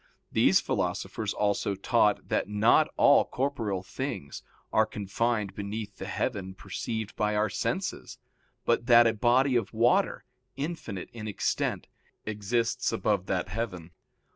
These philosophers also taught that not all corporeal things are confined beneath the heaven perceived by our senses, but that a body of water, infinite in extent, exists above that heaven.